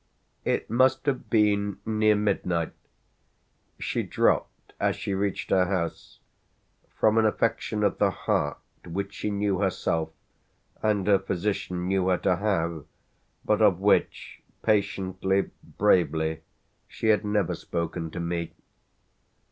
"It must have been near midnight. She dropped as she reached her house from an affection of the heart which she knew herself and her physician knew her to have, but of which, patiently, bravely she had never spoken to me."